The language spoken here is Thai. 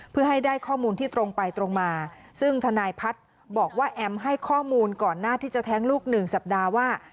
เพื่อให้ได้ข้อมูลที่ตรงไปตรงมาซึ่งทนายพัฒน์บอกว่าแอมให้ข้อมูลก่อนหน้าที่จะแท้งลูกหนึ่งสัปดาห์ว่า